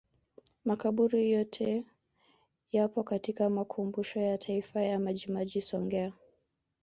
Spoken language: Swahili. Makaburi yote yapo katika Makumbusho ya Taifa ya Majimaji Songea